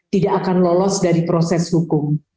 tidak akan lolos dari proses hukum